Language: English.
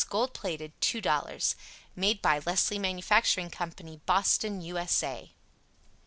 Gold Plated 2.00 MADE BY Leslie Manufacturing Company, Boston, U. S. A.